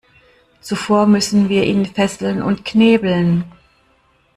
Zuvor müssen wir ihn fesseln und knebeln.